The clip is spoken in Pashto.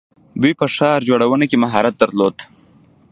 دوی په ښار جوړونه کې مهارت درلود.